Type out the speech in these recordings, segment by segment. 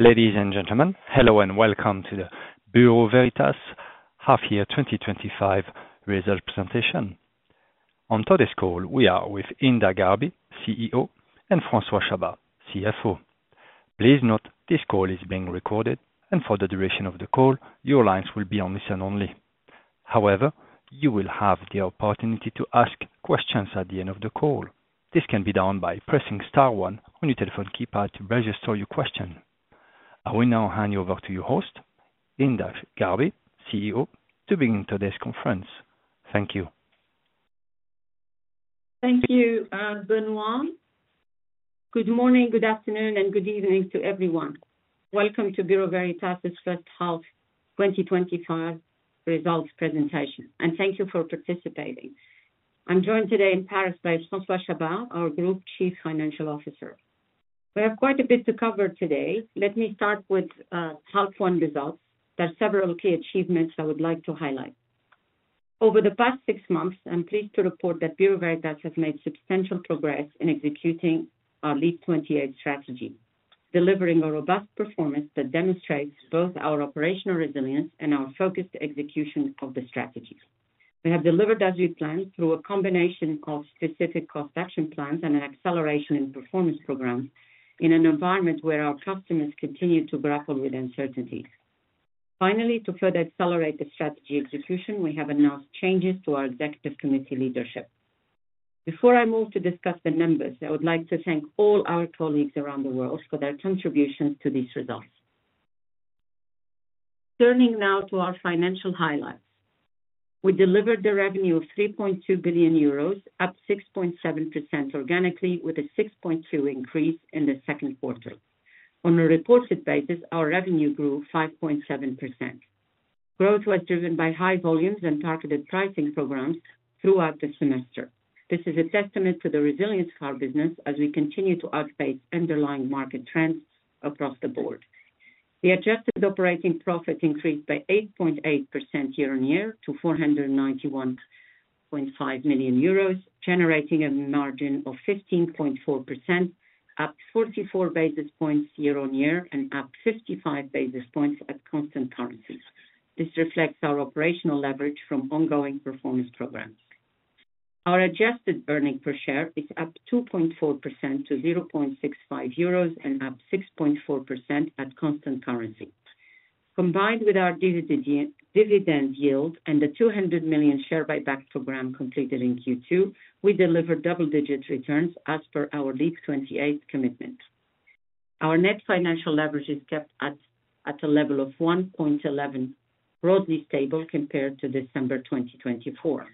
Ladies and gentlemen, hello and welcome to the Bureau Veritas half-year 2025 result presentation. On today's call, we are with Hinda Gharbi, CEO, and François Chabas, CFO. Please note this call is being recorded, and for the duration of the call, your lines will be on listen only. However, you will have the opportunity to ask questions at the end of the call. This can be done by pressing star one on your telephone keypad to register your question. I will now hand you over to your host, Hinda Gharbi, CEO, to begin today's conference. Thank you. Thank you, Benoît. Good morning, good afternoon, and good evening to everyone. Welcome to Bureau Veritas' first half 2025 results presentation, and thank you for participating. I'm joined today in Paris by François Chabas, our Group Chief Financial Officer. We have quite a bit to cover today. Let me start with half-year results. There are several key achievements I would like to highlight. Over the past six months, I'm pleased to report that Bureau Veritas has made substantial progress in executing our LEAP 2028 strategy, delivering a robust performance that demonstrates both our operational resilience and our focused execution of the strategy. We have delivered as we planned through a combination of specific cost action plans and an acceleration in performance programs in an environment where our customers continue to grapple with uncertainties. Finally, to further accelerate the strategy execution, we have announced changes to our executive committee leadership. Before I move to discuss the numbers, I would like to thank all our colleagues around the world for their contributions to these results. Turning now to our financial highlights. We delivered the revenue of 3.2 billion euros, up 6.7% organically, with a 6.2% increase in the second quarter. On a reported basis, our revenue grew 5.7%. Growth was driven by high volumes and targeted pricing programs throughout the semester. This is a testament to the resilience of our business as we continue to outpace underlying market trends across the board. The adjusted operating profit increased by 8.8% year-on-year to 491.5 million euros, generating a margin of 15.4%. Up 44 basis points year-on-year and up 55 basis points at constant currency. This reflects our operational leverage from ongoing performance programs. Our adjusted earnings per share is up 2.4% to 0.65 euros and up 6.4% at constant currency. Combined with our dividend yield and the 200 million share buyback program completed in Q2, we delivered double-digit returns as per our LEAP 2028 commitment. Our net financial leverage is kept at a level of 1.11, broadly stable compared to December 2024.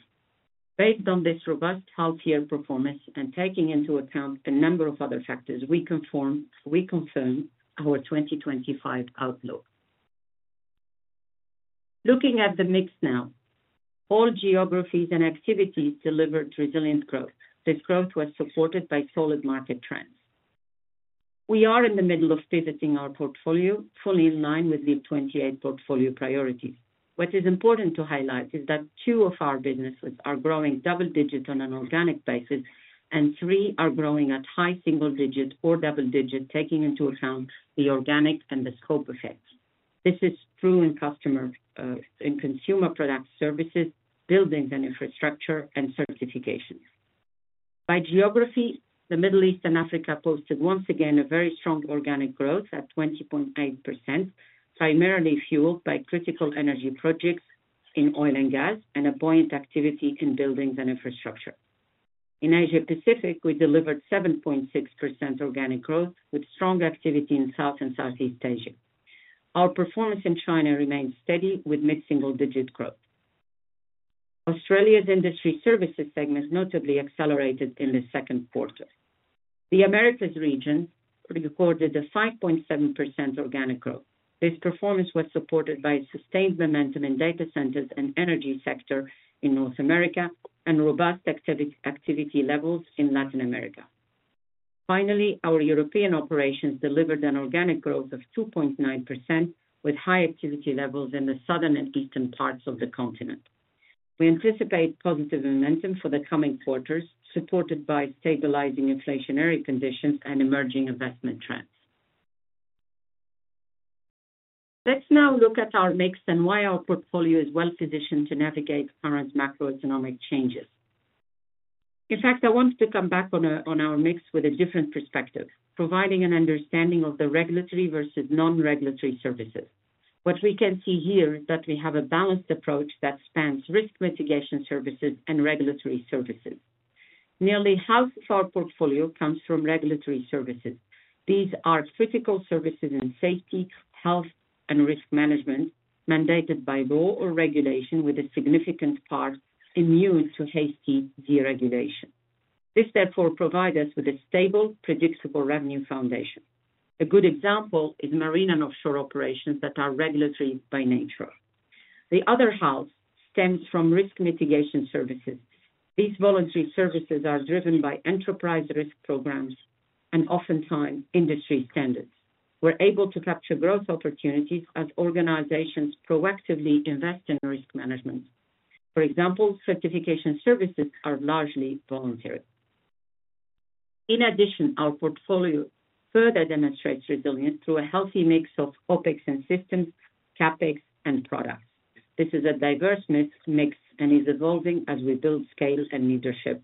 Based on this robust half-year performance and taking into account a number of other factors, we confirm our 2025 outlook. Looking at the mix now. All geographies and activities delivered resilient growth. This growth was supported by solid market trends. We are in the middle of pivoting our portfolio, fully in line with LEAP 2028 portfolio priorities. What is important to highlight is that two of our businesses are growing double-digit on an organic basis, and three are growing at high single-digit or double-digit, taking into account the organic and the scope effects. This is true in consumer products, services, buildings, infrastructure, and certifications. By geography, the Middle East and Africa posted once again a very strong organic growth at 20.8%, primarily fueled by critical energy projects in oil and gas and a buoyant activity in buildings and infrastructure. In Asia-Pacific, we delivered 7.6% organic growth with strong activity in South and Southeast Asia. Our performance in China remained steady with mid-single-digit growth. Australia's industry services segment notably accelerated in the second quarter. The Americas region recorded a 5.7% organic growth. This performance was supported by sustained momentum in data centers and the energy sector in North America and robust activity levels in Latin America. Finally, our European operations delivered an organic growth of 2.9% with high activity levels in the southern and eastern parts of the continent. We anticipate positive momentum for the coming quarters, supported by stabilizing inflationary conditions and emerging investment trends. Let's now look at our mix and why our portfolio is well-positioned to navigate current macroeconomic changes. In fact, I want to come back on our mix with a different perspective, providing an understanding of the regulatory versus non-regulatory services. What we can see here is that we have a balanced approach that spans risk mitigation services and regulatory services. Nearly half of our portfolio comes from regulatory services. These are critical services in safety, health, and risk management mandated by law or regulation, with a significant part immune to hasty deregulation. This, therefore, provides us with a stable, predictable revenue foundation. A good example is Marine & Offshore operations that are regulatory by nature. The other half stems from risk mitigation services. These voluntary services are driven by enterprise risk programs and oftentimes industry standards. We're able to capture growth opportunities as organizations proactively invest in risk management. For example, Certification services are largely voluntary. In addition, our portfolio further demonstrates resilience through a healthy mix of OpEx and systems, CapEx, and products. This is a diverse mix and is evolving as we build scale and leadership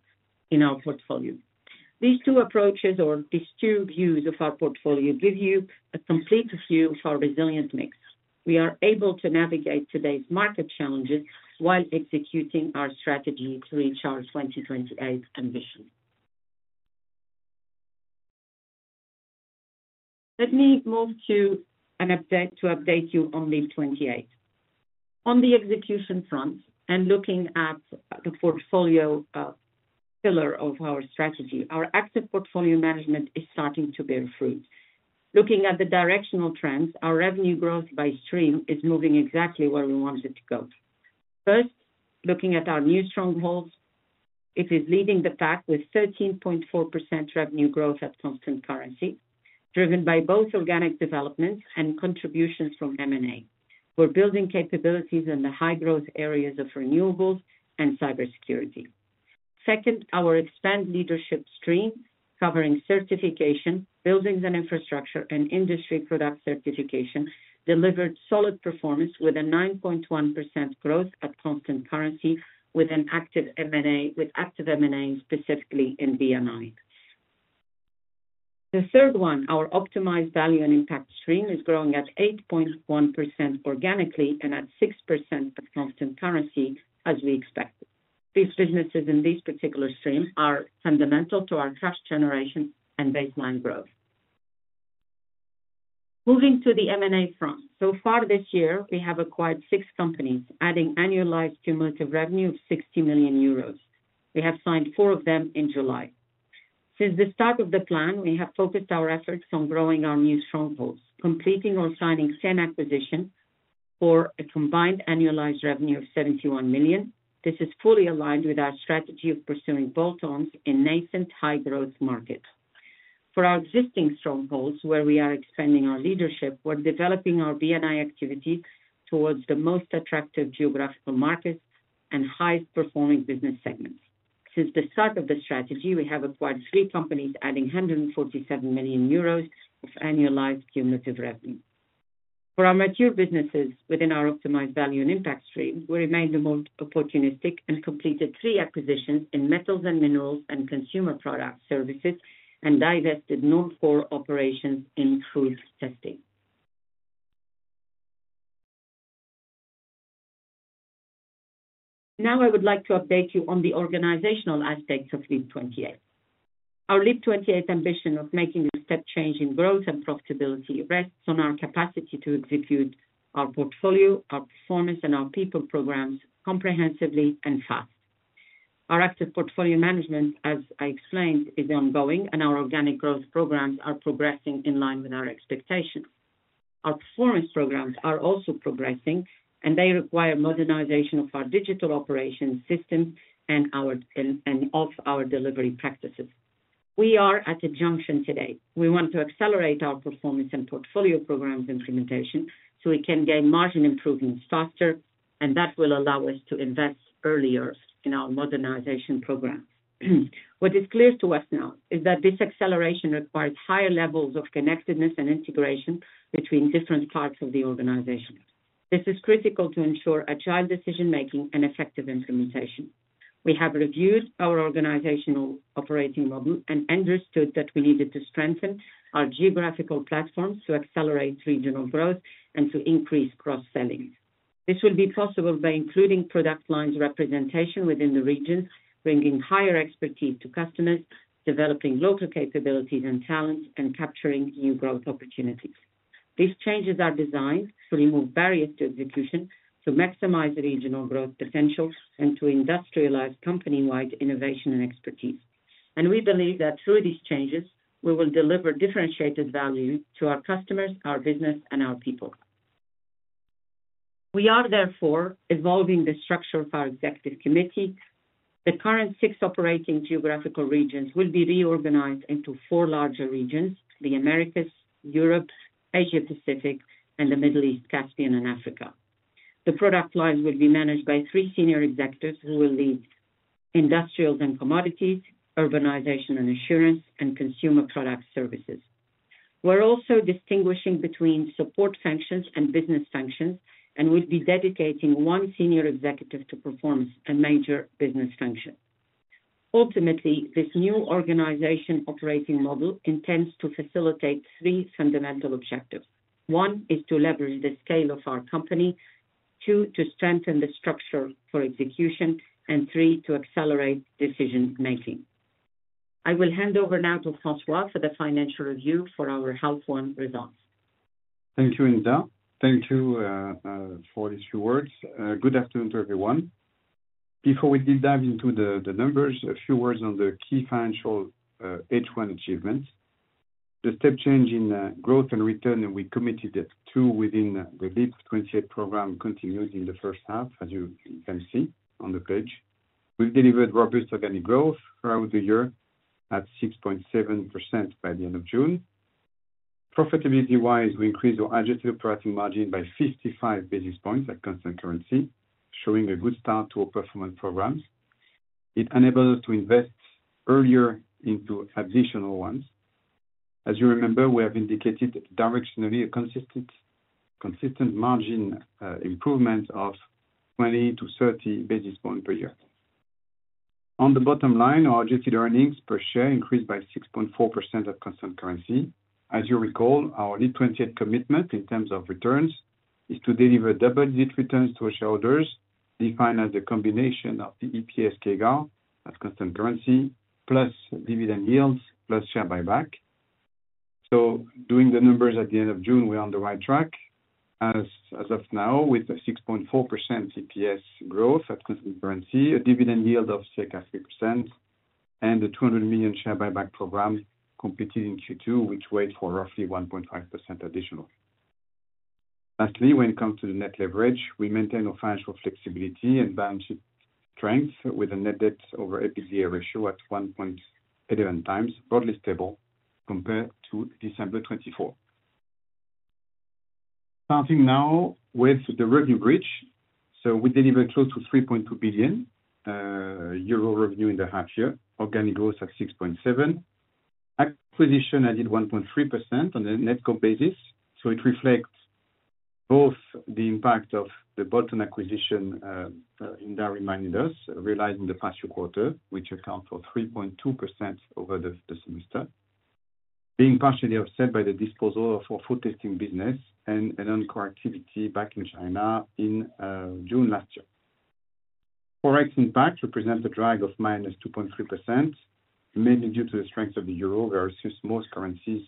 in our portfolio. These two approaches, or these two views of our portfolio, give you a complete view of our resilience mix. We are able to navigate today's market challenges while executing our strategy to reach our 2028 ambition. Let me move to an update to update you on LEAP 2028. On the execution front and looking at the portfolio pillar of our strategy, our active portfolio management is starting to bear fruit. Looking at the directional trends, our revenue growth by stream is moving exactly where we wanted it to go. First, looking at our new strongholds, it is leading the pack with 13.4% revenue growth at constant currency, driven by both organic developments and contributions from M&A. We're building capabilities in the high-growth areas of renewables and cybersecurity. Second, our expanded leadership stream, covering Certification, Buildings and Infrastructure, and industry product certification, delivered solid performance with a 9.1% growth at constant currency with active M&A, specifically in BNI. The third one, our optimized value and impact stream, is growing at 8.1% organically and at 6% at constant currency, as we expected. These businesses in this particular stream are fundamental to our cash generation and baseline growth. Moving to the M&A front, so far this year, we have acquired six companies, adding annualized cumulative revenue of 60 million euros. We have signed four of them in July. Since the start of the plan, we have focused our efforts on growing our new strongholds, completing or signing 10 acquisitions for a combined annualized revenue of 71 million. This is fully aligned with our strategy of pursuing bolt-ons in nascent high-growth markets. For our existing strongholds, where we are expanding our leadership, we're developing our BNI activity towards the most attractive geographical markets and highest-performing business segments. Since the start of the strategy, we have acquired three companies, adding 147 million euros of annualized cumulative revenue. For our mature businesses within our optimized value and impact stream, we remained the most opportunistic and completed three acquisitions in metals and minerals and consumer products services and divested non-core operations in crude testing. Now, I would like to update you on the organizational aspects of LEAP 2028. Our LEAP 2028 ambition of making a step change in growth and profitability rests on our capacity to execute our portfolio, our performance, and our people programs comprehensively and fast. Our active portfolio management, as I explained, is ongoing, and our organic growth programs are progressing in line with our expectations. Our performance programs are also progressing, and they require modernization of our digital operations system and of our delivery practices. We are at a junction today. We want to accelerate our performance and portfolio programs implementation so we can gain margin improvements faster, and that will allow us to invest earlier in our modernization programs. What is clear to us now is that this acceleration requires higher levels of connectedness and integration between different parts of the organization. This is critical to ensure agile decision-making and effective implementation. We have reviewed our organizational operating model and understood that we needed to strengthen our geographical platforms to accelerate regional growth and to increase cross-selling. This will be possible by including product lines representation within the regions, bringing higher expertise to customers, developing local capabilities and talents, and capturing new growth opportunities. These changes are designed to remove barriers to execution, to maximize regional growth potential, and to industrialize company-wide innovation and expertise. We believe that through these changes, we will deliver differentiated value to our customers, our business, and our people. We are, therefore, evolving the structure of our executive committee. The current six operating geographical regions will be reorganized into four larger regions: the Americas, Europe, Asia-Pacific, and the Middle East, Caspian, and Africa. The product lines will be managed by three senior executives who will lead industrials and commodities, urbanization and assurance, and consumer products services. We're also distinguishing between support functions and business functions and will be dedicating one senior executive to performance and major business functions. Ultimately, this new organization operating model intends to facilitate three fundamental objectives. One is to leverage the scale of our company. Two, to strengthen the structure for execution, and three, to accelerate decision-making. I will hand over now to François for the financial review for our half-one results. Thank you, Hinda. Thank you. For these few words. Good afternoon to everyone. Before we deep dive into the numbers, a few words on the key financial H1 achievements. The step change in growth and return that we committed to within the LEAP 2028 strategy continues in the first half, as you can see on the page. We've delivered robust organic growth throughout the year at 6.7% by the end of June. Profitability-wise, we increased our adjusted operating margin by 55 basis points at constant currency, showing a good start to our performance programs. It enabled us to invest earlier into additional ones. As you remember, we have indicated directionally a consistent margin improvement of 20-30 basis points per year. On the bottom line, our adjusted earnings per share increased by 6.4% at constant currency. As you recall, our LEAP 2028 commitment in terms of returns is to deliver double-digit returns to our shareholders, defined as a combination of the EPS CAGR at constant currency plus dividend yield plus share buyback. Doing the numbers at the end of June, we're on the right track. As of now, with a 6.4% EPS growth at constant currency, a dividend yield of circa 3%, and the 200 million share buyback program completed in Q2, which weighed for roughly 1.5% additional. Lastly, when it comes to the net financial leverage, we maintain our financial flexibility and balance sheet strength with a net debt over EBITDA ratio at 1.11x, broadly stable compared to December 2024. Starting now with the revenue bridge. We delivered close to 3.2 billion euro revenue in the half year, organic growth at 6.7%. Acquisition added 1.3% on a net cost basis. It reflects both the impact of the bolt-on acquisition Indari Miners, realized in the past year quarter, which accounted for 3.2% over the semester, being partially offset by the disposal of our food testing business and an on-call activity back in China in June last year. Forex impact represents a drag of minus 2.3%, mainly due to the strength of the euro versus most currencies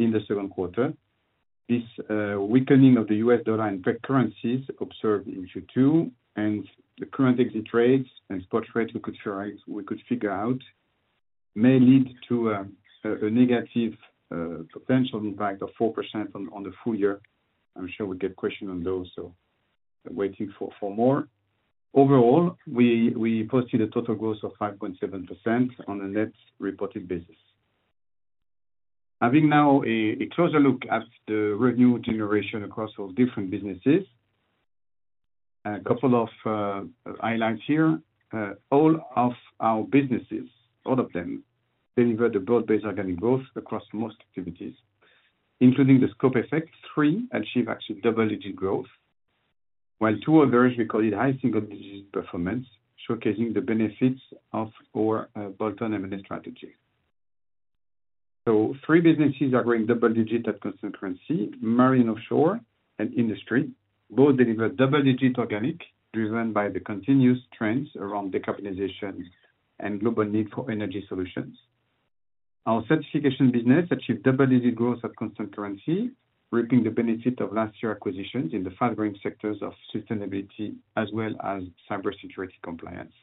in the second quarter. This weakening of the US dollar and peg currencies observed in Q2 and the current exit rates and spot rates we could figure out may lead to a negative potential impact of 4% on the full year. I'm sure we get questions on those, waiting for more. Overall, we posted a total growth of 5.7% on a net reported basis. Having now a closer look at the revenue generation across our different businesses. A couple of highlights here. All of our businesses, all of them, delivered the broad-based organic growth across most activities, including the scope effect; three achieved actually double-digit growth, while two others recorded high single-digit performance, showcasing the benefits of our bolt-on M&A strategy. Three businesses are growing double-digit at constant currency: Marine & Offshore and Industry. Both deliver double-digit organic, driven by the continuous trends around decarbonization and global need for energy solutions. Our Certification business achieved double-digit growth at constant currency, reaping the benefit of last year's acquisitions in the fast-growing sectors of sustainability as well as cybersecurity compliance.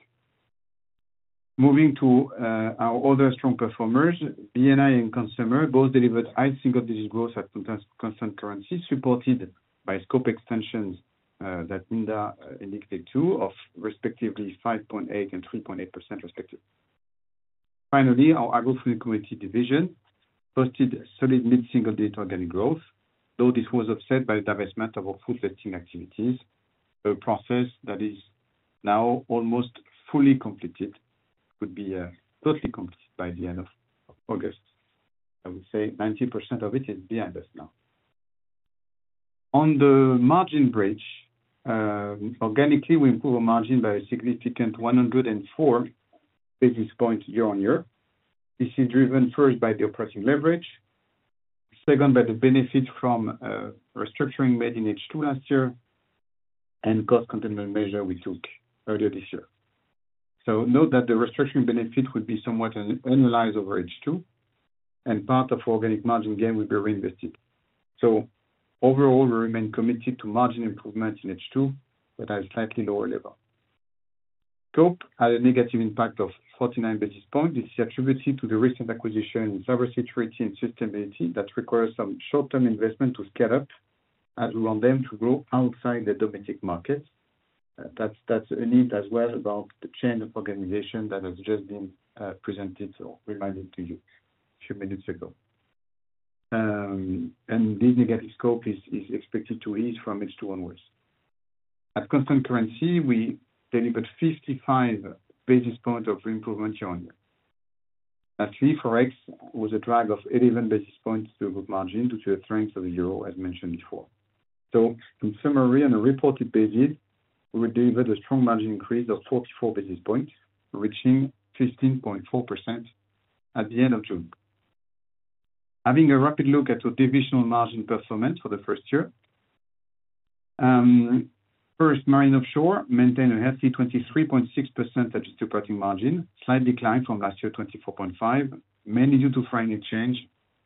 Moving to our other strong performers, Buildings and Infrastructure and Consumer both delivered high single-digit growth at constant currency, supported by scope extensions that Hinda indicated too, of respectively 5.8% and 3.8% respectively. Finally, our Agri-Food & Commodities Division posted solid mid-single-digit organic growth, though this was offset by the divestment of our food testing activities, a process that is now almost fully completed, could be totally completed by the end of August. I would say 90% of it is behind us now. On the margin bridge, organically, we improved our margin by a significant 104 basis points year-on-year. This is driven first by the operating leverage, second, by the benefit from restructuring made in H2 last year, and cost-containment measures we took earlier this year. Note that the restructuring benefit would be somewhat annualized over H2, and part of our organic margin gain would be reinvested. Overall, we remain committed to margin improvement in H2, but at a slightly lower level. Scope had a negative impact of 49 basis points. This is attributed to the recent acquisition in cybersecurity and sustainability that requires some short-term investment to scale up as we want them to grow outside the domestic markets. That is a need as well about the chain of organization that has just been presented or reminded to you a few minutes ago. This negative scope is expected to ease from H2 onwards. At constant currency, we delivered 55 basis points of improvement year-on-year. Lastly, Forex was a drag of 11 basis points to the margin due to the strength of the euro, as mentioned before. In summary, on a reported basis, we delivered a strong margin increase of 44 basis points, reaching 15.4% at the end of June. Having a rapid look at our divisional margin performance for the first year, first, Marine & Offshore maintained a healthy 23.6% adjusted operating margin, slight decline from last year's 24.5%, mainly due to financial change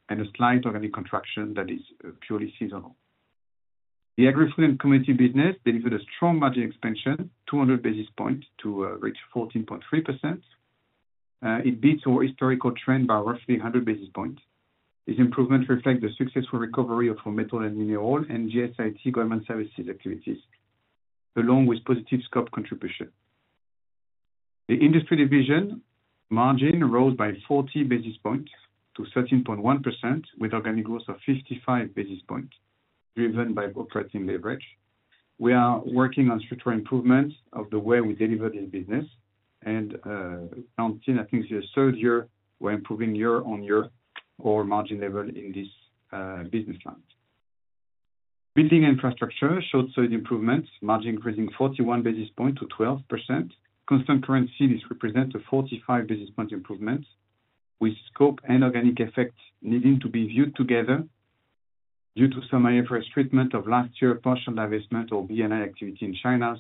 and a slight organic contraction that is purely seasonal. The Agri-Food & Commodities business delivered a strong margin expansion, 200 basis points, to reach 14.3%. It beats our historical trend by roughly 100 basis points. This improvement reflects the successful recovery of our metal and mineral and GSIT government services activities, along with positive scope contribution. The Industry Division margin rose by 40 basis points to 13.1%, with organic growth of 55 basis points, driven by operating leverage. We are working on structural improvements of the way we deliver this business. In 2019, I think this is the third year we are improving year-on-year our margin level in this business line. Buildings and Infrastructure showed solid improvements, margin increasing 41 basis points to 12%. Constant currency represents a 45 basis point improvement, with scope and organic effect needing to be viewed together. Due to some high-pressure treatment of last year's partial divestment of BNI activity in China.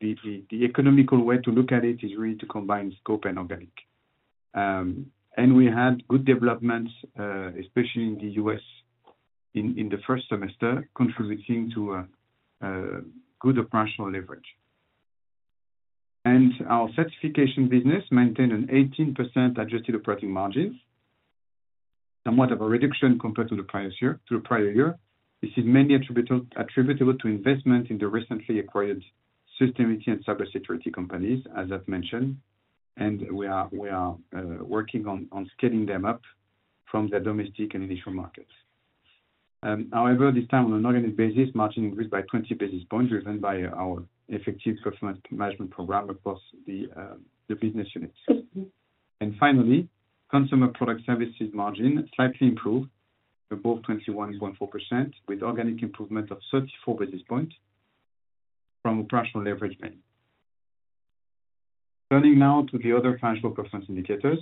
The economical way to look at it is really to combine scope and organic. We had good developments, especially in the U.S. In the first semester, contributing to good operational leverage. Our certification business maintained an 18% adjusted operating margin, somewhat of a reduction compared to the prior year. This is mainly attributable to investment in the recently acquired sustainability and cybersecurity companies, as I've mentioned. We are working on scaling them up from their domestic and initial markets. However, this time, on an organic basis, margin increased by 20 basis points, driven by our effective performance management program across the business units. Finally, consumer product services margin slightly improved above 21.4%, with organic improvement of 34 basis points from operational leverage gain. Turning now to the other financial performance indicators.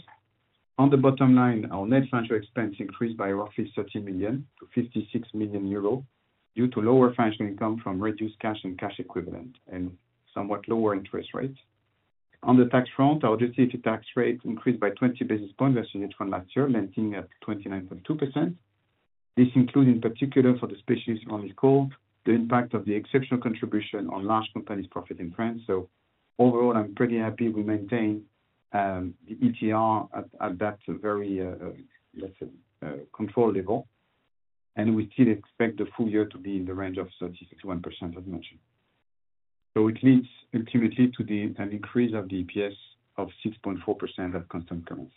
On the bottom line, our net financial expense increased by roughly 30 million-56 million euro due to lower financial income from reduced cash and cash equivalent and somewhat lower interest rates. On the tax front, our adjusted tax rate increased by 20 basis points versus year-to-year last year, landing at 29.2%. This includes, in particular, for the species I'll call, the impact of the exceptional contribution on large companies' profit and trends. Overall, I'm pretty happy we maintain the ETR at that very controlled level. We still expect the full year to be in the range of 30%-31%, as mentioned. It leads ultimately to an increase of the EPS of 6.4% at constant currency.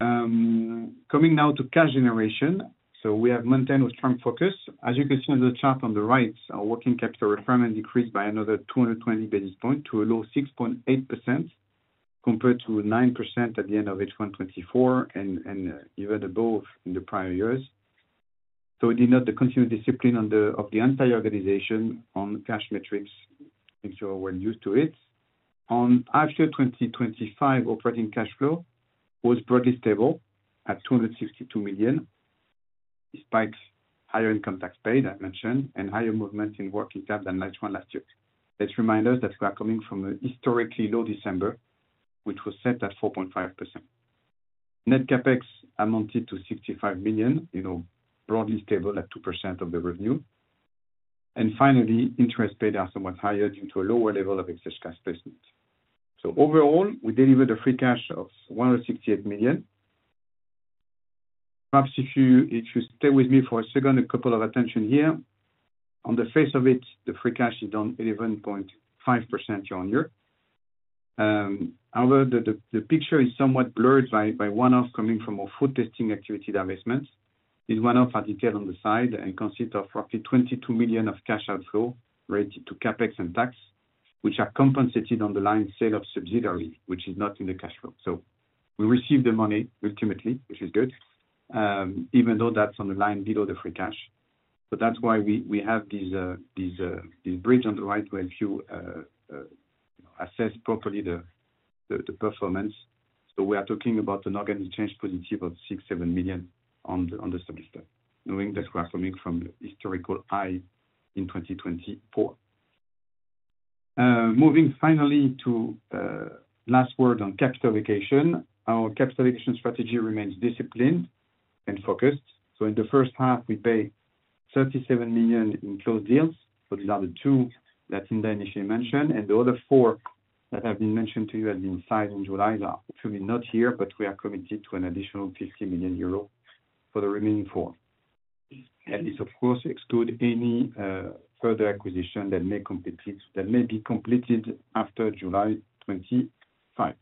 Coming now to cash generation. We have maintained a strong focus. As you can see on the chart on the right, our working capital requirement decreased by another 220 basis points to a low 6.8%, compared to 9% at the end of H1 2024 and even above in the prior years. We did note the continued discipline of the entire organization on cash metrics, which you are well used to. On after-year 2025, operating cash flow was broadly stable at 262 million, despite higher income tax paid, I mentioned, and higher movement in working capital than H1 last year. Let's remind us that we are coming from a historically low December, which was set at 4.5%. Net CapEx amounted to 65 million, broadly stable at 2% of the revenue. Finally, interest paid are somewhat higher due to a lower level of excess cash placement. Overall, we delivered a free cash of 168 million. Perhaps if you stay with me for a second, a couple of attention here. On the face of it, the free cash is down 11.5% year-on-year. However, the picture is somewhat blurred by one-off coming from our food testing activity divestments. This one-off, as detailed on the side, consists of roughly 22 million of cash outflow related to CapEx and tax, which are compensated on the line sale of subsidiaries, which is not in the cash flow. We received the money ultimately, which is good. Even though that's on the line below the free cash. That's why we have this bridge on the right where you assess properly the performance. We are talking about an organic change positive of 6 million-7 million on the semester, knowing that we are coming from a historical high in 2024. Moving finally to last word on capital allocation, our capital allocation strategy remains disciplined and focused. In the first half, we paid 37 million in closed deals. These are the two that Hinda initially mentioned. The other four that have been mentioned to you as being tied in July are hopefully not here, but we are committed to an additional 50 million euros for the remaining four. This, of course, excludes any further acquisition that may be completed after July 2025.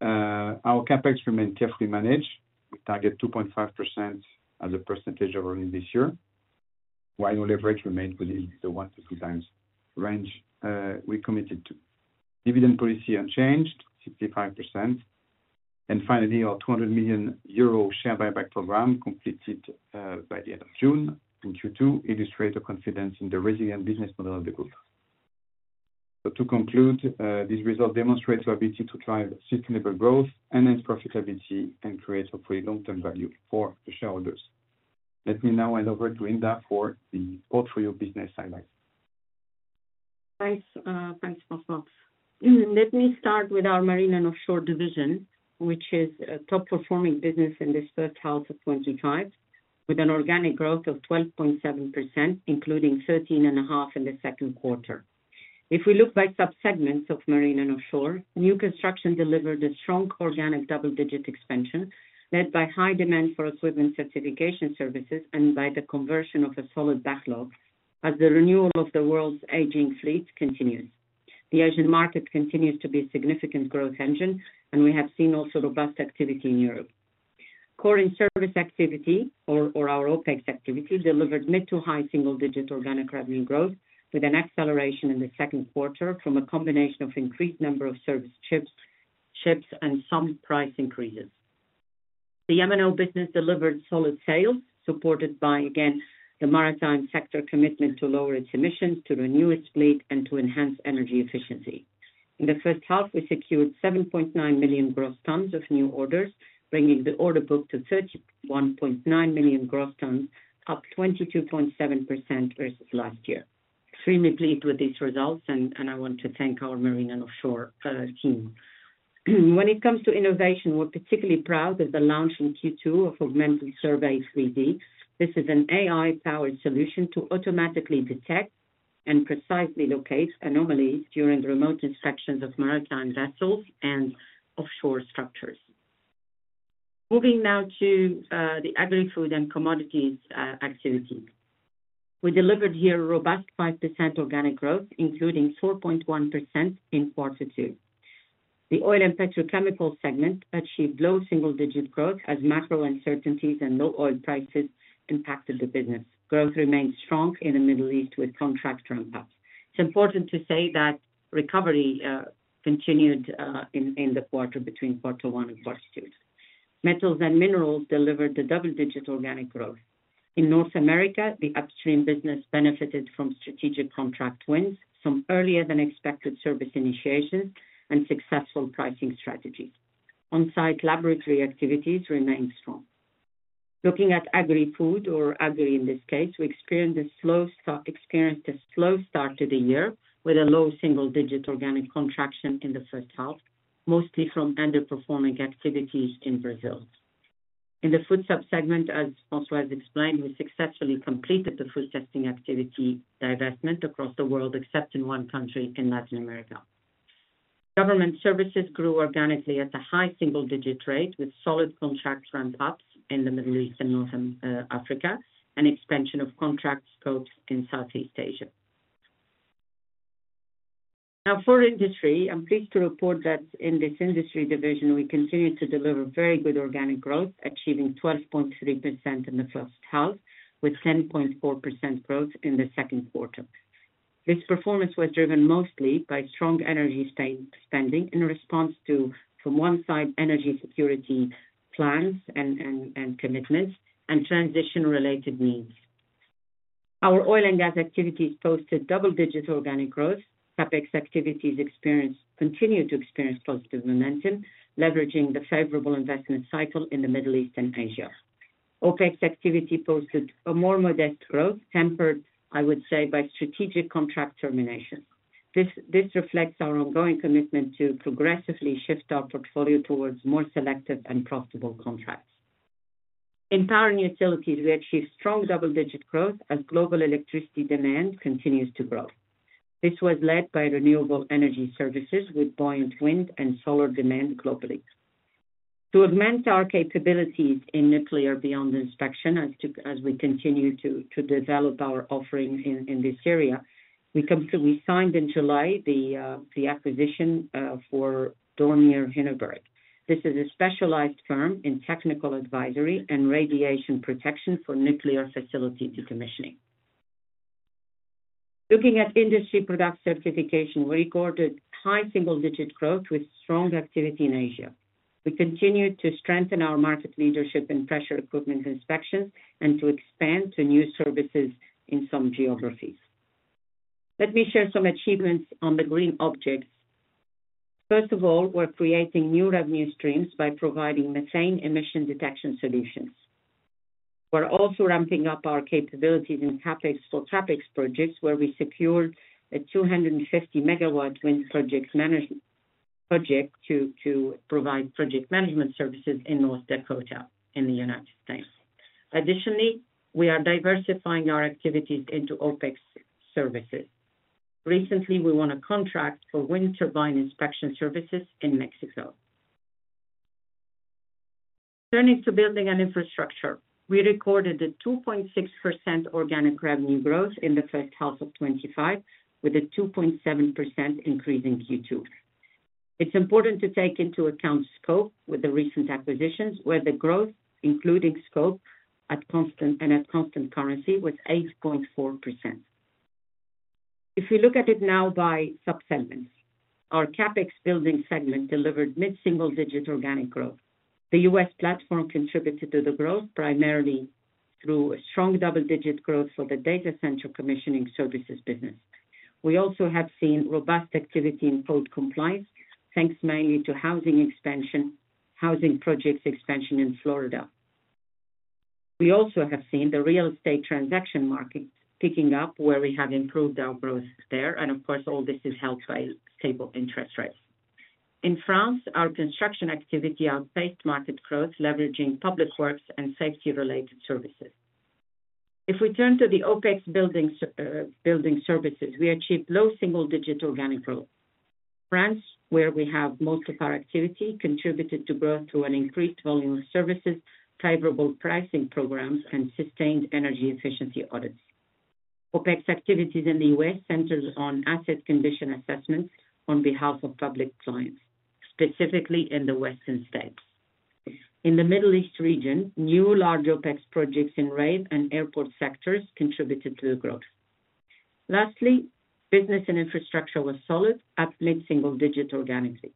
Our CapEx remains carefully managed. We target 2.5% as a percentage of earnings this year, while our leverage remains within the one to two times range we committed to. Dividend policy unchanged, 65%. Finally, our 200 million euro share buyback program completed by the end of June in Q2 illustrates the confidence in the resilient business model of the group. To conclude, these results demonstrate our ability to drive sustainable growth and end profitability and create hopefully long-term value for the shareholders. Let me now hand over to Hinda for the portfolio business highlights. Thanks, Principal Smarts. Let me start with our Marine & Offshore division, which is a top-performing business in the third half of 2025, with an organic growth of 12.7%, including 13.5% in the second quarter. If we look by subsegments of Marine & Offshore, new construction delivered a strong organic double-digit expansion led by high demand for equipment certification services and by the conversion of a solid backlog as the renewal of the world's aging fleet continues. The Asian market continues to be a significant growth engine, and we have seen also robust activity in Europe. Core and service activity, or our OpEx activity, delivered mid to high single-digit organic revenue growth with an acceleration in the second quarter from a combination of increased number of service ships and some price increases. The M&O business delivered solid sales, supported by, again, the maritime sector commitment to lower its emissions, to renew its fleet, and to enhance energy efficiency. In the first half, we secured 7.9 million gross tons of new orders, bringing the order book to 31.9 million gross tons, up 22.7% versus last year. Extremely pleased with these results, and I want to thank our Marine & Offshore team. When it comes to innovation, we're particularly proud of the launch in Q2 of Augmented Survey 3D. This is an AI-powered solution to automatically detect and precisely locate anomalies during the remote inspections of maritime vessels and offshore structures. Moving now to the Agri-Food & Commodities activity. We delivered here a robust 5% organic growth, including 4.1% in quarter two. The oil and petrochemical segment achieved low single-digit growth as macro uncertainties and low oil prices impacted the business. Growth remained strong in the Middle East with contractor impacts. It is important to say that recovery continued in the quarter between quarter one and quarter two. Metals and minerals delivered the double-digit organic growth. In North America, the upstream business benefited from strategic contract wins, some earlier than expected service initiations, and successful pricing strategies. On-site laboratory activities remained strong. Looking at agri-food, or agri in this case, we experienced a slow start to the year with a low single-digit organic contraction in the first half, mostly from underperforming activities in Brazil. In the food subsegment, as François has explained, we successfully completed the food testing activity divestment across the world, except in one country, in Latin America. Government services grew organically at a high single-digit rate with solid contractor impacts in the Middle East and North Africa, and expansion of contract scopes in Southeast Asia. Now, for Industry, I am pleased to report that in this industry division, we continue to deliver very good organic growth, achieving 12.3% in the first half, with 10.4% growth in the second quarter. This performance was driven mostly by strong energy spending in response to, from one side, energy security plans and commitments and transition-related needs. Our oil and gas activities posted double-digit organic growth. CapEx activities continued to experience positive momentum, leveraging the favorable investment cycle in the Middle East and Asia. OpEx activity posted a more modest growth, tempered, I would say, by strategic contract termination. This reflects our ongoing commitment to progressively shift our portfolio towards more selective and profitable contracts. In power and utilities, we achieved strong double-digit growth as global electricity demand continues to grow. This was led by renewable energy services with buoyant wind and solar demand globally. To augment our capabilities in nuclear beyond inspection, as we continue to develop our offering in this area, we signed in July the acquisition for Dornier Hinneburg. This is a specialized firm in technical advisory and radiation protection for nuclear facility decommissioning. Looking at industry product certification, we recorded high single-digit growth with strong activity in Asia. We continue to strengthen our market leadership in pressure equipment inspections and to expand to new services in some geographies. Let me share some achievements on the green objects. First of all, we are creating new revenue streams by providing methane emission detection solutions. We are also ramping up our capabilities in CapEx for CapEx projects, where we secured a 250 MW wind project to provide project management services in North Dakota in the United States. Additionally, we are diversifying our activities into OpEx services. Recently, we won a contract for wind turbine inspection services in Mexico. Turning to Buildings and Infrastructure, we recorded a 2.6% organic revenue growth in the first half of 2025, with a 2.7% increase in Q2. It is important to take into account scope with the recent acquisitions, where the growth, including scope, at constant currency was 8.4%. If we look at it now by subsegments, our CapEx building segment delivered mid-single-digit organic growth. The U.S. platform contributed to the growth primarily through a strong double-digit growth for the data center commissioning services business. We also have seen robust activity in code compliance, thanks mainly to housing expansion, housing projects expansion in Florida. We also have seen the real estate transaction market picking up, where we have improved our growth there. All this is helped by stable interest rates. In France, our construction activity outpaced market growth, leveraging public works and safety-related services. If we turn to the OpEx building services, we achieved low single-digit organic growth. France, where we have most of our activity, contributed to growth through an increased volume of services, favorable pricing programs, and sustained energy efficiency audits. OpEx activities in the U.S. centered on asset condition assessments on behalf of public clients, specifically in the Western States. In the Middle East region, new large OpEx projects in rail and airport sectors contributed to the growth. Lastly, Buildings and Infrastructure were solid at mid-single-digit organically.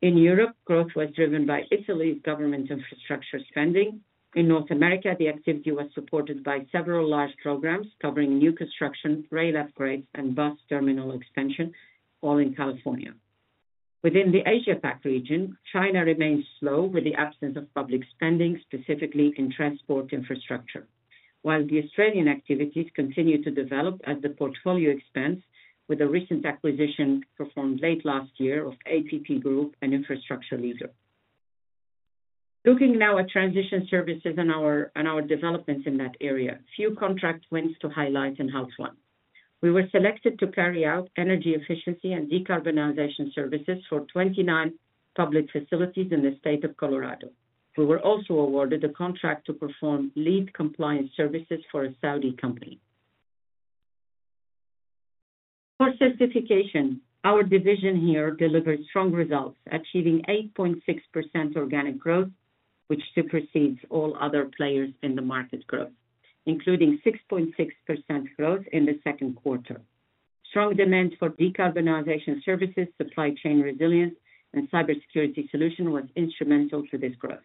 In Europe, growth was driven by Italy's government infrastructure spending. In North America, the activity was supported by several large programs covering new construction, rail upgrades, and bus terminal expansion, all in California. Within the Asia-Pacific region, China remained slow with the absence of public spending, specifically in transport infrastructure, while the Australian activities continued to develop as the portfolio expands with a recent acquisition performed late last year of APP Group, an infrastructure leader. Looking now at transition services and our developments in that area, few contract wins to highlight in half one. We were selected to carry out energy efficiency and decarbonization services for 29 public facilities in the state of Colorado. We were also awarded a contract to perform lead compliance services for a Saudi company. For Certification, our division here delivered strong results, achieving 8.6% organic growth, which supersedes all other players in the market growth, including 6.6% growth in the second quarter. Strong demand for decarbonization services, supply chain resilience, and cybersecurity solutions was instrumental to this growth.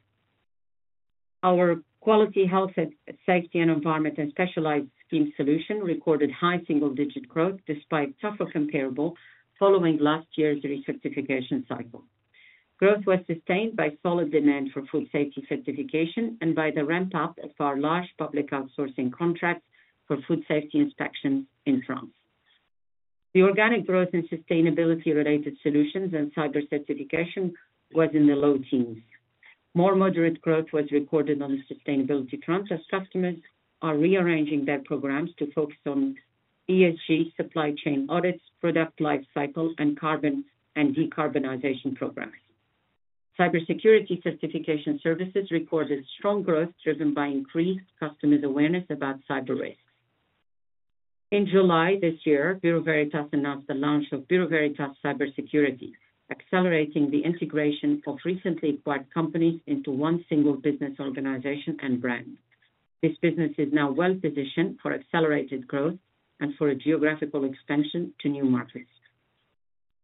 Our quality, health, safety, and environment and specialized scheme solution recorded high single-digit growth despite tougher comparable following last year's recertification cycle. Growth was sustained by solid demand for food safety certification and by the ramp-up of our large public outsourcing contracts for food safety inspections in France. The organic growth in sustainability-related solutions and cyber certification was in the low teens. More moderate growth was recorded on the sustainability front as customers are rearranging their programs to focus on ESG, supply chain audits, product lifecycle, and carbon and decarbonization programs. Cybersecurity certification services recorded strong growth driven by increased customers' awareness about cyber risks. In July this year, Bureau Veritas announced the launch of Bureau Veritas Cybersecurity, accelerating the integration of recently acquired companies into one single business organization and brand. This business is now well-positioned for accelerated growth and for a geographical expansion to new markets.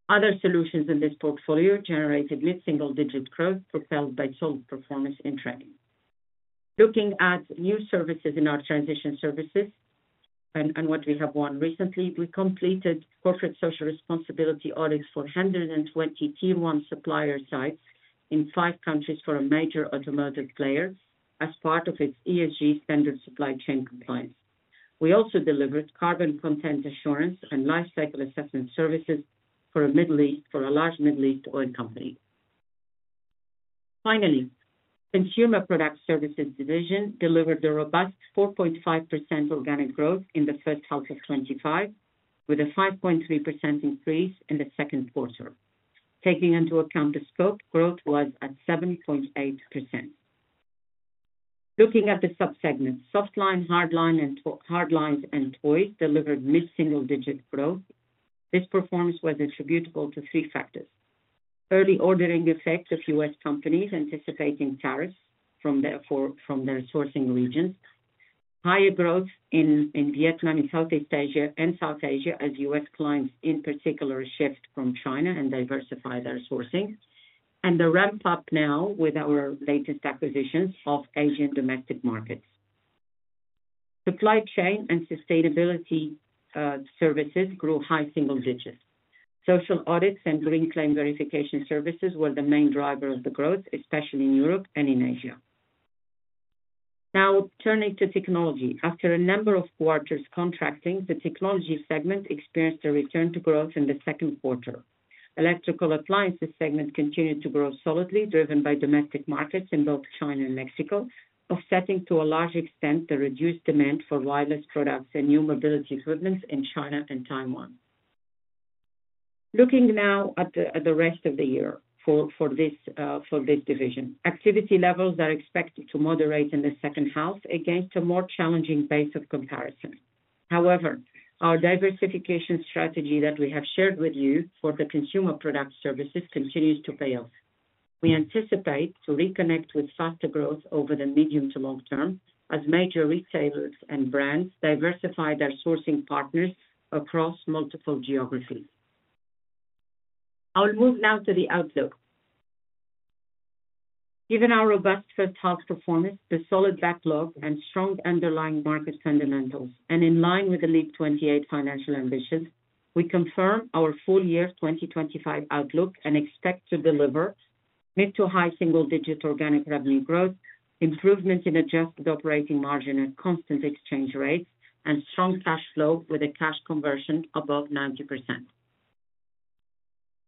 Other solutions in this portfolio generated mid-single-digit growth propelled by solid performance in training. Looking at new services in our transition services. And what we have won recently, we completed corporate social responsibility audits for 120 Tier 1 supplier sites in five countries for a major automotive player as part of its ESG standard supply chain compliance. We also delivered carbon content assurance and lifecycle assessment services for a large Middle East oil company. Finally, consumer product services division delivered a robust 4.5% organic growth in the first half of 2025, with a 5.3% increase in the second quarter. Taking into account the scope, growth was at 7.8%. Looking at the subsegments, soft line, hard line, and toys delivered mid-single-digit growth. This performance was attributable to three factors: early ordering effect of U.S. companies anticipating tariffs from their sourcing regions, higher growth in Vietnam, in Southeast Asia, and South Asia as U.S. clients in particular shift from China and diversify their sourcing, and the ramp-up now with our latest acquisitions of Asian domestic markets. Supply chain and sustainability. Services grew high single digits. Social audits and green claim verification services were the main driver of the growth, especially in Europe and in Asia. Now, turning to technology, after a number of quarters contracting, the technology segment experienced a return to growth in the second quarter. Electrical appliances segment continued to grow solidly, driven by domestic markets in both China and Mexico, offsetting to a large extent the reduced demand for wireless products and new mobility equipment in China and Taiwan. Looking now at the rest of the year for this division, activity levels are expected to moderate in the second half against a more challenging base of comparison. However, our diversification strategy that we have shared with you for the consumer product services continues to pay off. We anticipate to reconnect with faster growth over the medium to long term as major retailers and brands diversify their sourcing partners across multiple geographies. I'll move now to the outlook. Given our robust first-half performance, the solid backlog, and strong underlying market fundamentals, and in line with the LEAP 2028 financial ambitions, we confirm our full year 2025 outlook and expect to deliver mid to high single-digit organic revenue growth, improvement in adjusted operating margin at constant exchange rates, and strong cash flow with a cash conversion above 90%.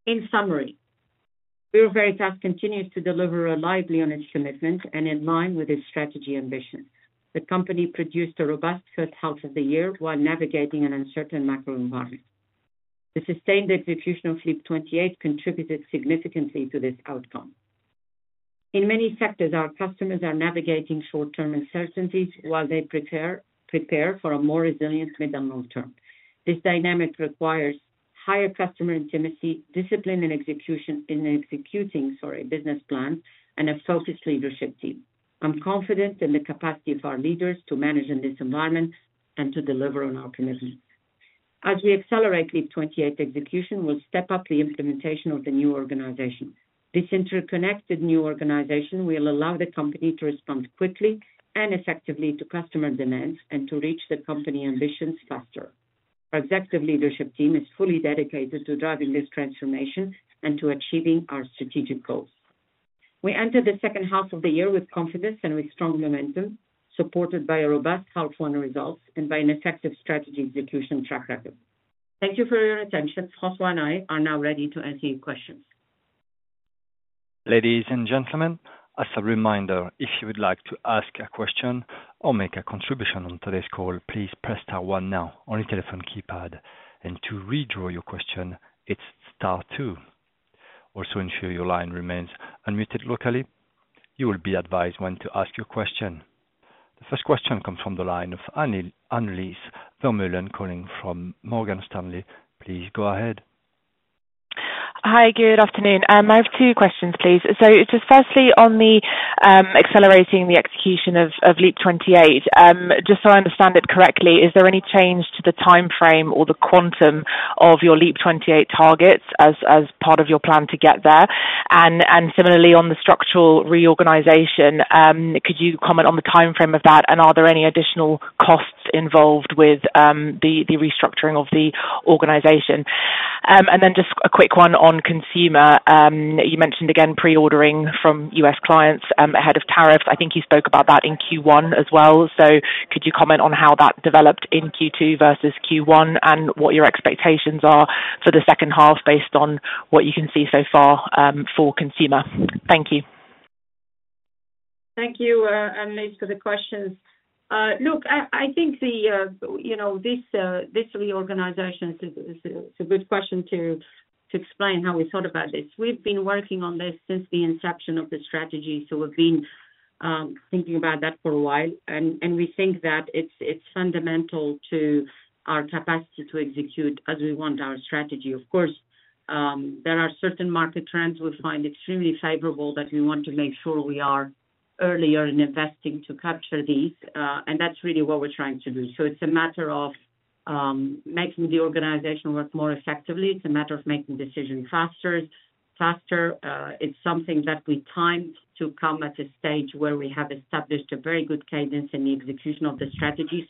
In summary. Bureau Veritas continues to deliver reliably on its commitment and in line with its strategy ambitions. The company produced a robust first half of the year while navigating an uncertain macro environment. The sustained execution of LEAP 2028 contributed significantly to this outcome. In many sectors, our customers are navigating short-term uncertainties while they prepare for a more resilient mid and long term. This dynamic requires higher customer intimacy, discipline in executing, sorry, business plans, and a focused leadership team. I'm confident in the capacity of our leaders to manage in this environment and to deliver on our commitments. As we accelerate LEAP 2028 execution, we'll step up the implementation of the new organization. This interconnected new organization will allow the company to respond quickly and effectively to customer demands and to reach the company ambitions faster. Our executive leadership team is fully dedicated to driving this transformation and to achieving our strategic goals. We entered the second half of the year with confidence and with strong momentum, supported by a robust half-one results and by an effective strategy execution track record. Thank you for your attention. François and I are now ready to answer your questions. Ladies and gentlemen, as a reminder, if you would like to ask a question or make a contribution on today's call, please press star one now on your telephone keypad. To redraw your question, it's star two. Also, ensure your line remains unmuted locally. You will be advised when to ask your question. The first question comes from the line of Annelies Vermeulen calling from Morgan Stanley. Please go ahead. Hi, good afternoon. I have two questions, please. Just firstly, on the accelerating the execution of LEAP 2028, just so I understand it correctly, is there any change to the timeframe or the quantum of your LEAP 2028 targets as part of your plan to get there? Similarly, on the structural reorganization, could you comment on the timeframe of that? Are there any additional costs involved with the restructuring of the organization? Then just a quick one on consumer. You mentioned again pre-ordering from US clients ahead of tariffs. I think you spoke about that in Q1 as well. Could you comment on how that developed in Q2 versus Q1 and what your expectations are for the second half based on what you can see so far for consumer? Thank you. Thank you, Annelies, for the questions. Look, I think this reorganization is a good question to explain how we thought about this. We've been working on this since the inception of the strategy. We've been thinking about that for a while. We think that it's fundamental to our capacity to execute as we want our strategy. Of course, there are certain market trends we find extremely favorable that we want to make sure we are earlier in investing to capture these. That's really what we're trying to do. It's a matter of Making the organization work more effectively. It's a matter of making decisions faster. It's something that we timed to come at a stage where we have established a very good cadence in the execution of the strategy.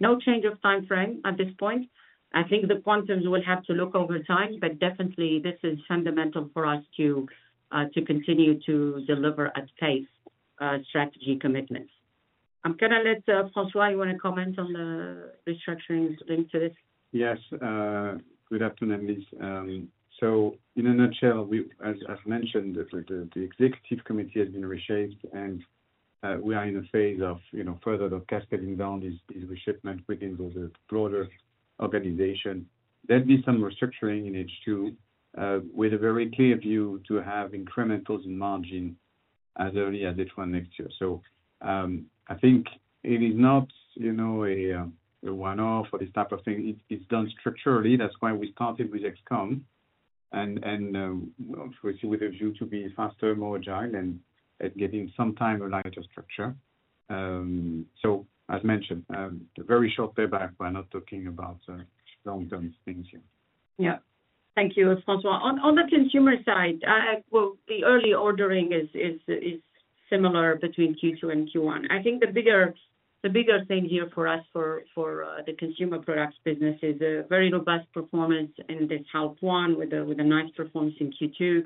No change of timeframe at this point. I think the quantums will have to look over time, but definitely, this is fundamental for us to continue to deliver at pace strategy commitments. I'm going to let François, you want to comment on the restructuring link to this? Yes. Good afternoon, Annelies. In a nutshell, as mentioned, the executive committee has been reshaped, and we are in a phase of further cascading down this reshapement within the broader organization. There will be some restructuring in H2 with a very clear view to have incrementals in margin as early as H1 next year. I think it is not a one-off or this type of thing. It's done structurally. That's why we started with XComm, with a view to be faster, more agile, and getting some time in line to structure. As mentioned, very short payback. We're not talking about long-term things here. Yeah. Thank you, François. On the consumer side, the early ordering is similar between Q2 and Q1. I think the bigger thing here for us for the consumer products business is a very robust performance in this half one with a nice performance in Q2.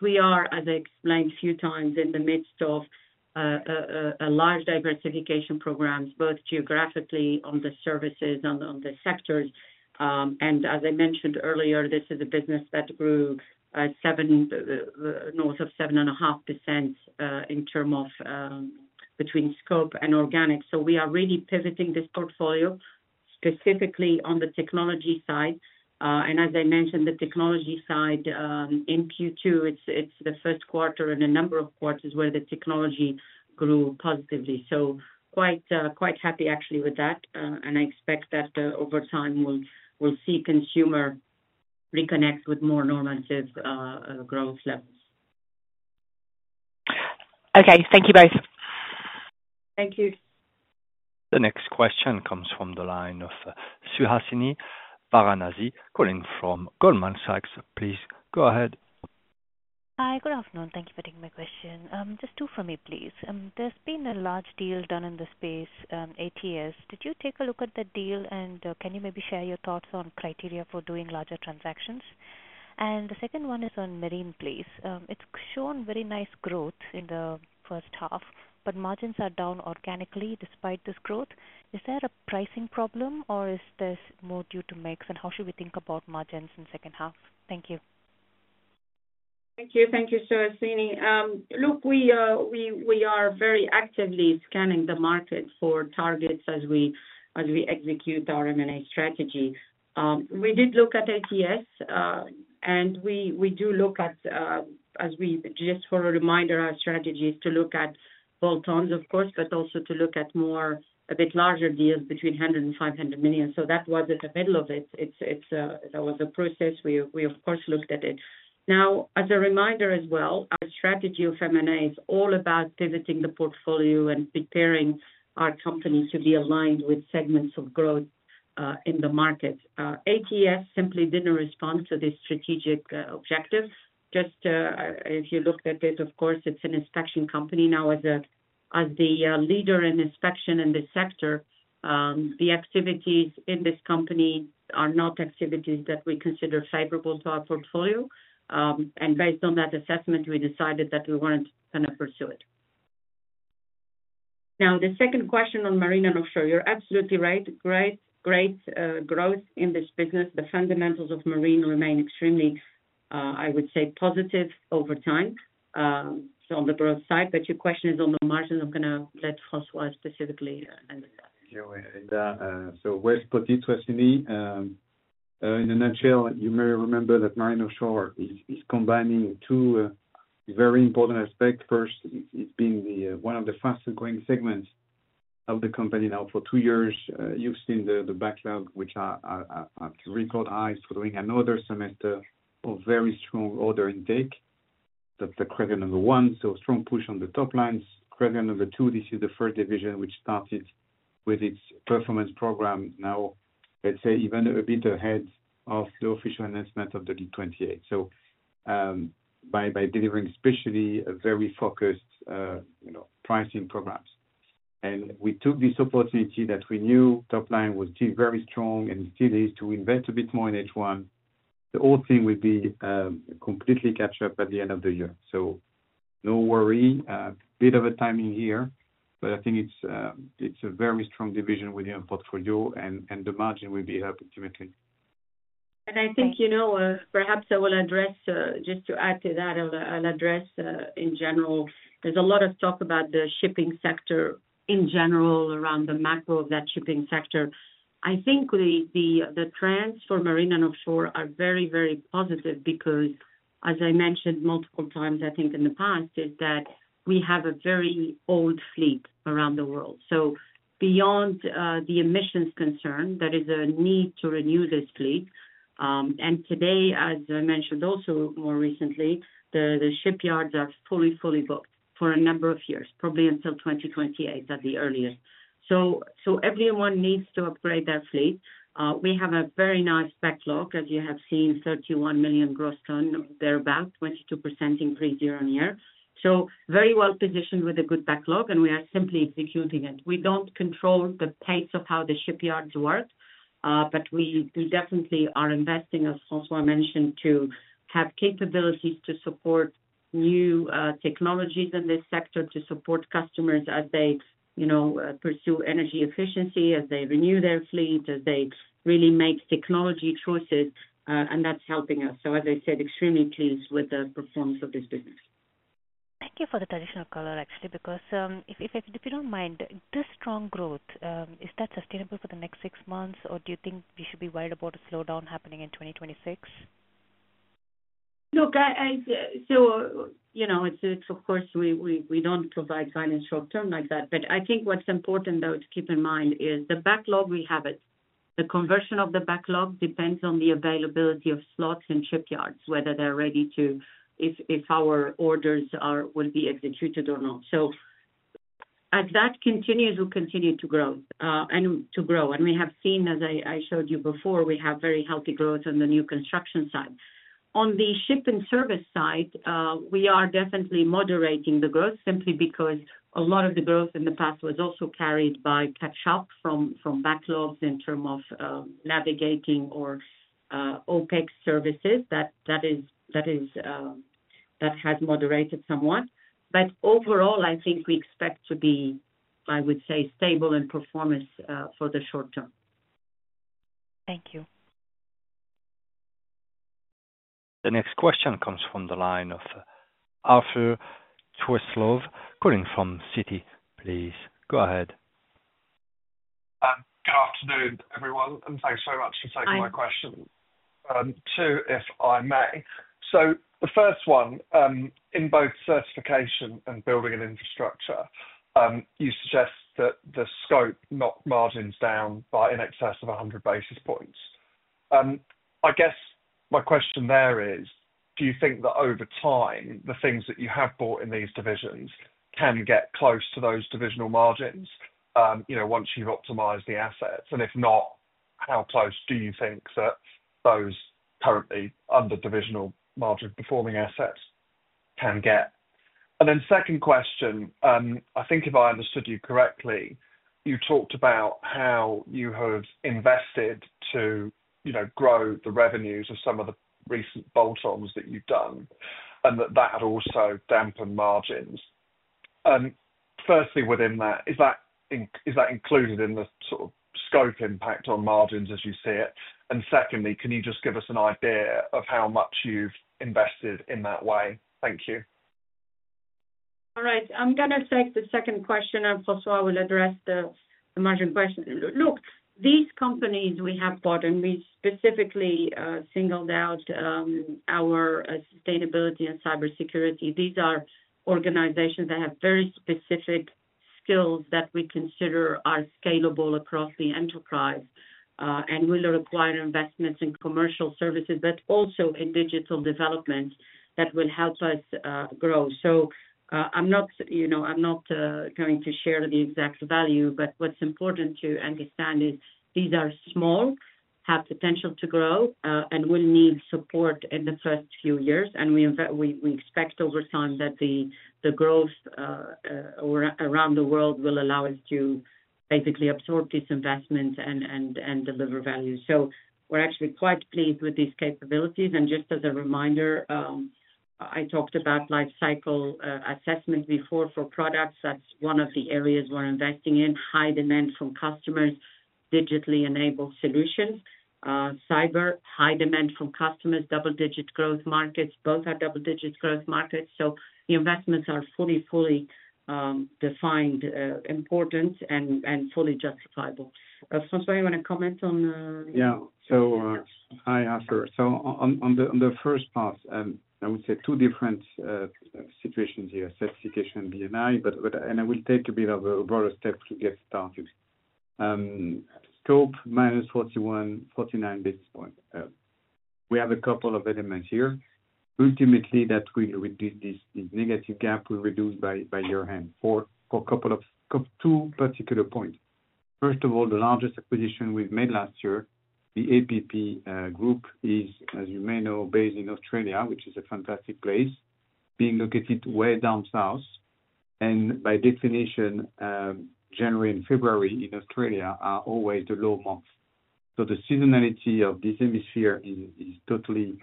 We are, as I explained a few times, in the midst of large diversification programs, both geographically on the services and on the sectors. As I mentioned earlier, this is a business that grew north of 7.5% in terms of between scope and organic. We are really pivoting this portfolio specifically on the technology side. As I mentioned, the technology side in Q2, it's the first quarter in a number of quarters where the technology grew positively. Quite happy, actually, with that. I expect that over time, we'll see consumer reconnect with more normative growth levels. Okay. Thank you both. Thank you. The next question comes from the line of Suhasini Varanasi, calling from Goldman Sachs. Please go ahead. Hi. Good afternoon. Thank you for taking my question. Just two for me, please. There's been a large deal done in the space, ATS. Did you take a look at that deal, and can you maybe share your thoughts on criteria for doing larger transactions? The second one is on Marine, please. It's shown very nice growth in the first half, but margins are down organically despite this growth. Is there a pricing problem, or is this more due to mix? How should we think about margins in the second half? Thank you. Thank you. Thank you, Suhasini. Look. We are very actively scanning the market for targets as we execute our M&A strategy. We did look at ATS. We do look at, just for a reminder, our strategy is to look at bolt-ons, of course, but also to look at a bit larger deals between $100 million and $500 million. That was at the middle of it. That was a process. We, of course, looked at it. Now, as a reminder as well, our strategy of M&A is all about pivoting the portfolio and preparing our company to be aligned with segments of growth in the market. ATS simply did not respond to this strategic objective. Just if you looked at it, of course, it is an inspection company. Now, as the leader in inspection in this sector, the activities in this company are not activities that we consider favorable to our portfolio. Based on that assessment, we decided that we were not going to pursue it. Now, the second question on Marine, I am not sure. You are absolutely right. Great, great growth in this business. The fundamentals of Marine remain extremely, I would say, positive over time on the growth side. Your question is on the margins. I am going to let François specifically answer that. Where's put it, Suhasini? In a nutshell, you may remember that Marine & Offshore is combining two very important aspects. First, it has been one of the fastest-growing segments of the company now for two years. You have seen the backlog, which is at record highs for doing another semester of very strong order intake. That is the credit number one. Strong push on the top lines. Credit number two, this is the first division which started with its performance program, even a bit ahead of the official announcement of the LEAP 2028 strategy. By delivering especially very focused pricing programs, we took this opportunity, knowing top line was still very strong and still is, to invest a bit more in H1. The whole thing will be completely captured by the end of the year. No worry. Bit of a timing here, but I think it is a very strong division within a portfolio, and the margin will be helping to maintain. Perhaps I will address, just to add to that, I will address in general. There is a lot of talk about the shipping sector in general around the macro of that shipping sector. I think the trends for Marine & Offshore are very, very positive because, as I mentioned multiple times, I think in the past, we have a very old fleet around the world. Beyond the emissions concern, there is a need to renew this fleet. Today, as I mentioned also more recently, the shipyards are fully, fully booked for a number of years, probably until 2028 at the earliest. Everyone needs to upgrade their fleet. We have a very nice backlog, as you have seen, 31 million gross ton, thereabout, 22% increase year on year. Very well positioned with a good backlog, and we are simply executing it. We do not control the pace of how the shipyards work, but we definitely are investing, as François mentioned, to have capabilities to support new technologies in this sector, to support customers as they pursue energy efficiency, as they renew their fleet, as they really make technology choices. That is helping us. As I said, extremely pleased with the performance of this business. Thank you for the traditional color, actually, because if you do not mind, this strong growth, is that sustainable for the next six months, or do you think we should be worried about a slowdown happening in 2026? Look. Of course, we do not provide finance short-term like that. I think what is important, though, to keep in mind is the backlog we have. The conversion of the backlog depends on the availability of slots in shipyards, whether they are ready to, if our orders will be executed or not. As that continues, we will continue to grow. We have seen, as I showed you before, we have very healthy growth on the new construction side. On the ship and service side, we are definitely moderating the growth simply because a lot of the growth in the past was also carried by catch-up from backlogs in terms of navigating or OpEx services. That has moderated somewhat. Overall, I think we expect to be, I would say, stable in performance for the short term. Thank you. The next question comes from the line of Arthur Truslove, calling from Citi. Please go ahead. Good afternoon, everyone. Thanks very much for taking my question. Two, if I may. The first one, in both Certification and Buildings and Infrastructure. You suggest that the scope knock margins down by in excess of 100 basis points. I guess my question there is, do you think that over time, the things that you have bought in these divisions can get close to those divisional margins once you have optimized the assets? If not, how close do you think that those currently under divisional margin performing assets can get? Second question, I think if I understood you correctly, you talked about how you have invested to grow the revenues of some of the recent bolt-ons that you have done and that that had also dampened margins. Firstly, within that, is that included in the sort of scope impact on margins as you see it? Secondly, can you just give us an idea of how much you have invested in that way? Thank you. All right. I am going to take the second question, and François will address the margin question. These companies we have bought, and we specifically singled out our sustainability and cybersecurity. These are organizations that have very specific skills that we consider are scalable across the enterprise. We will require investments in commercial services, but also in digital development that will help us grow. I am not. Going to share the exact value, but what's important to understand is these are small, have potential to grow, and will need support in the first few years. We expect over time that the growth around the world will allow us to basically absorb these investments and deliver value. We're actually quite pleased with these capabilities. Just as a reminder, I talked about life cycle assessment before for products. That's one of the areas we're investing in: high demand from customers, digitally enabled solutions, cyber, high demand from customers, double-digit growth markets. Both are double-digit growth markets. The investments are fully, fully defined, important, and fully justifiable. François, you want to comment on— yeah. Hi, Arthur. On the first part, I would say two different situations here, Certification and BNI, and I will take a bit of a broader step to get started. Scope -41 to -49 basis points. We have a couple of elements here. Ultimately, that will reduce this negative gap we reduce by year-end for two particular points. First of all, the largest acquisition we've made last year, the APP Group, is, as you may know, based in Australia, which is a fantastic place, being located way down south. By definition, January and February in Australia are always the low months. The seasonality of this hemisphere is totally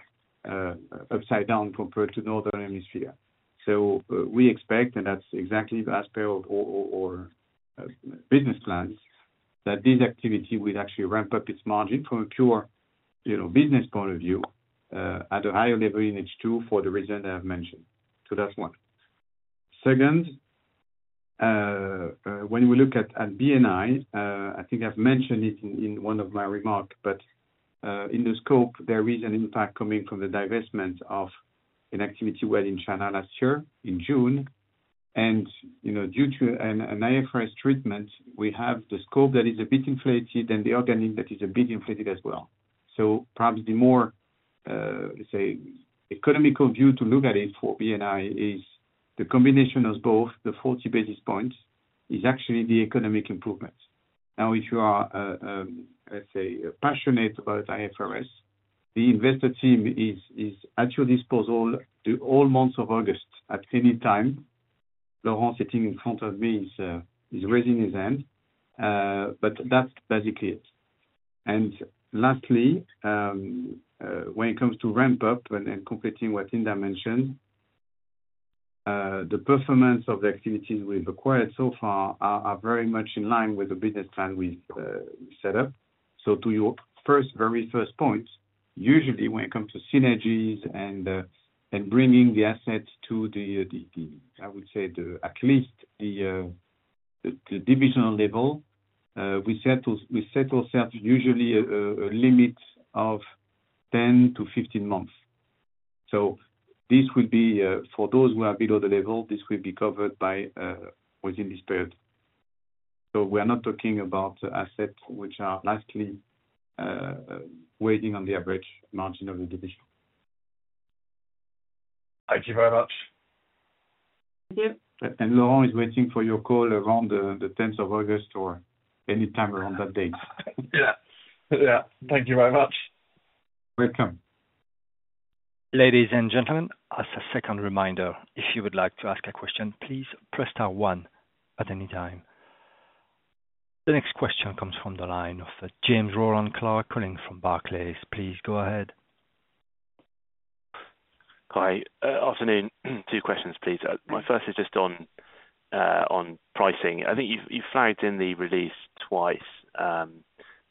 upside down compared to the northern hemisphere. We expect, and that's exactly the aspect or business plans, that this activity will actually ramp up its margin from a pure business point of view at a higher level in H2 for the reason I have mentioned. That's one. Second, when we look at BNI, I think I've mentioned it in one of my remarks, but in the scope, there is an impact coming from the divestment of an activity in China last year in June. Due to an IFRS treatment, we have the scope that is a bit inflated and the organic that is a bit inflated as well. Perhaps the more economical view to look at it for BNI is the combination of both, the 40 basis points, is actually the economic improvement. Now, if you are, let's say, passionate about IFRS, the investor team is at your disposal all months of August at any time. Laurent, sitting in front of me, is raising his hand. That's basically it. Lastly, when it comes to ramp-up and completing what Hinda mentioned, the performance of the activities we've acquired so far are very much in line with the business plan we've set up. To your first, very first point, usually when it comes to synergies and bringing the assets to the—I would say, at least the divisional level, we set ourselves usually a limit of 10-15 months. For those who are below the level, this will be covered within this period. So we are not talking about assets which are likely. Waiting on the average margin of the division. Thank you very much. Thank you. And Laurent is waiting for your call around the 10th of August or anytime around that date. Yeah. Yeah. Thank you very much. Welcome. Ladies and gentlemen, as a second reminder, if you would like to ask a question, please press star one at any time. The next question comes from the line of James Rowland Clark calling from Barclays. Please go ahead. Hi. Afternoon. Two questions, please. My first is just on. Pricing. I think you flagged in the release twice.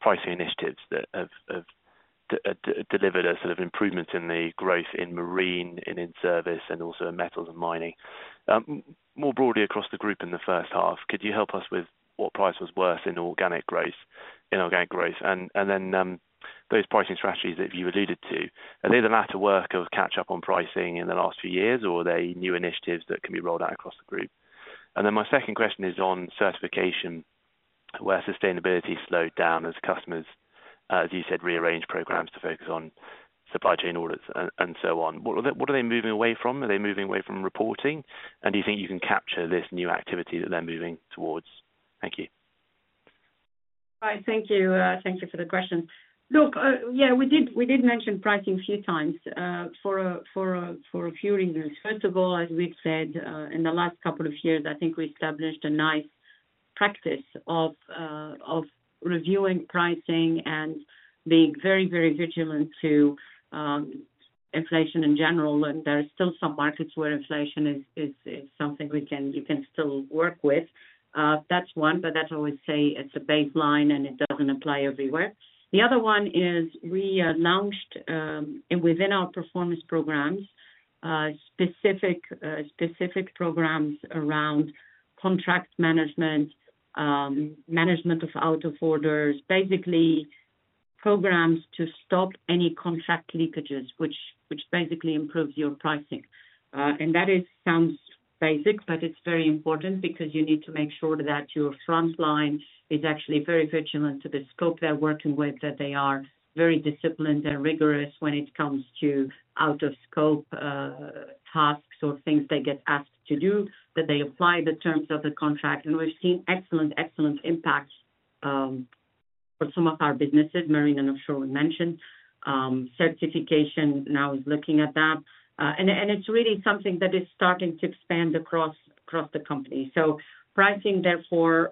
Pricing initiatives that have. Delivered a sort of improvement in the growth in marine and in service and also in metals and mining. More broadly across the group in the first half, could you help us with what price was worse in organic growth? And then those pricing strategies that you alluded to, are they the latter work of catch-up on pricing in the last few years, or are they new initiatives that can be rolled out across the group? And then my second question is on certification. Where sustainability slowed down as customers, as you said, rearranged programs to focus on supply chain audits and so on. What are they moving away from? Are they moving away from reporting? And do you think you can capture this new activity that they're moving towards? Thank you. All right. Thank you. Thank you for the question. Look, yeah, we did mention pricing a few times for. A few reasons. First of all, as we've said, in the last couple of years, I think we established a nice practice of. Reviewing pricing and being very, very vigilant to. Inflation in general. And there are still some markets where inflation is something we can still work with. That's one, but that's always say it's a baseline and it doesn't apply everywhere. The other one is we launched within our performance programs. Specific programs around contract management. Management of out-of-orders, basically. Programs to stop any contract leakages, which basically improves your pricing. And that sounds basic, but it's very important because you need to make sure that your front line is actually very vigilant to the scope they're working with, that they are very disciplined and rigorous when it comes to out-of-scope. Tasks or things they get asked to do, that they apply the terms of the contract. And we've seen excellent, excellent impacts. For some of our businesses. Marine & Offshore we mentioned. Certification now is looking at that. And it's really something that is starting to expand across the company. So pricing, therefore.